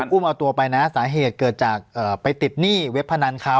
อุ้มเอาตัวไปนะสาเหตุเกิดจากไปติดหนี้เว็บพนันเขา